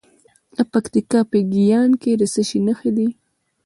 د پکتیکا په ګیان کې د څه شي نښې دي؟